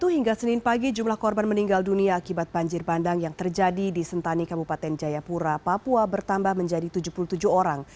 hingga senin pagi jumlah korban meninggal dunia akibat banjir bandang yang terjadi di sentani kabupaten jayapura papua bertambah menjadi tujuh puluh tujuh orang